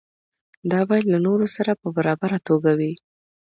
دا باید له نورو سره په برابره توګه وي.